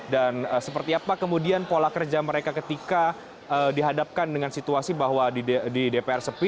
seperti apa kemudian pola kerja mereka ketika dihadapkan dengan situasi bahwa di dpr sepi